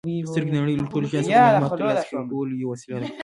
سترګې د نړۍ له ټولو شیانو څخه د معلوماتو ترلاسه کولو یوه وسیله ده.